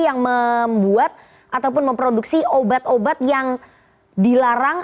yang membuat ataupun memproduksi obat obat yang dilarang